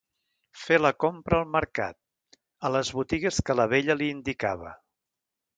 Fer la compra al mercat, a les botigues que la vella li indicava.